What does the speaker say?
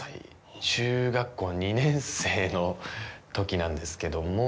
中学校２年生の時なんですけども。